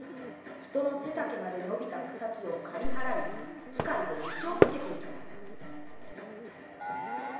人のせたけまでのびた草木をかりはらい機械で道をつけていきます